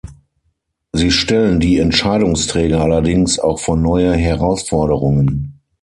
Sie stellen die Entscheidungsträger allerdings auch vor neue Herausforderungen.